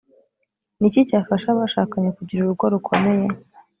ni iki cyafasha abashakanye kugira urugo rukomeye